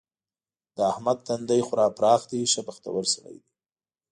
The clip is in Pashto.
د احمد تندی خورا پراخ دی؛ ښه بختور سړی دی.